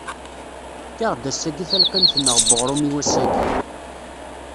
Efk-aɣ-d ass-agi talqimt-nneɣ n uɣrum i wass-agi.